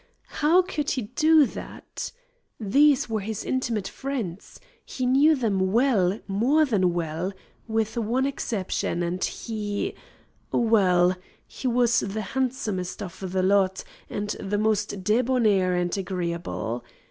how could he do that? These were his intimate friends. He knew them well, more than well, with one exception, and he Well, he was the handsomest of the lot and the most debonair and agreeable.